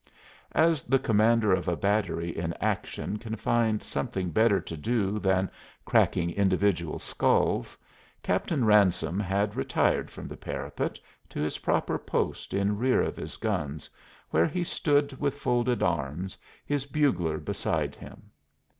As the commander of a battery in action can find something better to do than cracking individual skulls, Captain Ransome had retired from the parapet to his proper post in rear of his guns, where he stood with folded arms, his bugler beside him.